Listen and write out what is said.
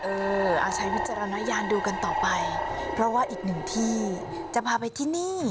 เออเอาใช้วิจารณญาณดูกันต่อไปเพราะว่าอีกหนึ่งที่จะพาไปที่นี่